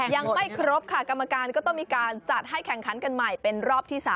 ยังไม่ครบค่ะกรรมการก็ต้องมีการจัดให้แข่งขันกันใหม่เป็นรอบที่๓